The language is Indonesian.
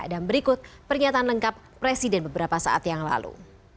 dan berikut pernyataan lengkap presiden beberapa saat yang lalu